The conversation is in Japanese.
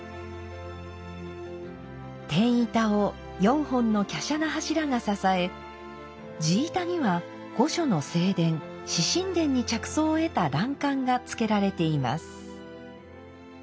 天板を４本の華奢な柱が支え地板には御所の正殿「紫宸殿」に着想を得た欄干が付けられています。